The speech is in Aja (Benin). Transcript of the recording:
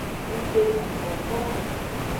Ngtegankpokpo.